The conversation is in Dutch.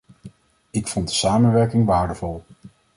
Ik vond de samenwerking waardevol.